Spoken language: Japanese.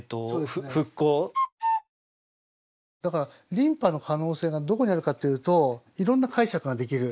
だから琳派の可能性がどこにあるかっていうといろんな解釈ができる。